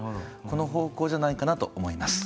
この方向じゃないかなと思います。